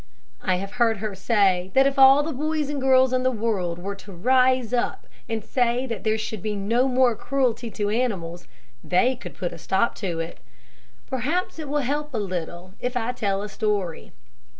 I have heard her say that if all the boys and girls in the world were to rise up and say that there should be no more cruelty to animals, they could put a stop to it. Perhaps it will help a little if I tell a story.